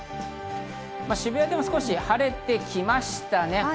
渋谷でも少し晴れてきましたね。